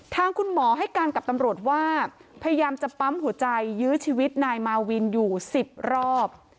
ทางคุณหมอให้การกับตำรวจว่าพยายามจะปั๊มหัวใจยื้อชีวิตนายมาวินอยู่๑๐รอบ